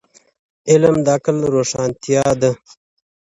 علم د عقل روښانتیا ده